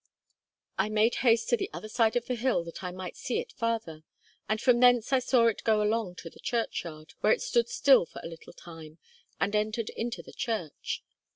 I made haste to the other side of the hill, that I might see it farther; and from thence I saw it go along to the churchyard, where it stood still for a little time and entered into the church.